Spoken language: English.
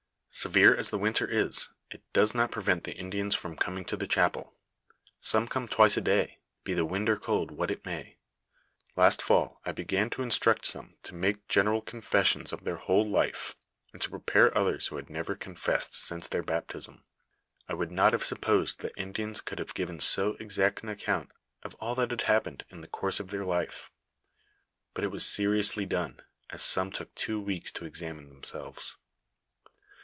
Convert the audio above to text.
" Severe as the winter is, it does not prevent tho Indians from coming to the chapel. Some come twice a day, be the wind or cold what it may. Last fall I began to instruct some to make general confessions of their w])ole life, and to prepare others who had never confessed since their baptism. I would not have supposed that Indians could have given so exact au account of all that had happened in the course of their life; but it was seriously done, as some took two weeks to examine themselves.